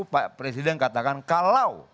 pak presiden katakan kalau